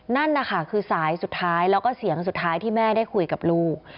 นั่นนะคะคือสายสุดท้ายแล้วก็เสียงสุดท้ายที่แม่ได้คุยกับลูก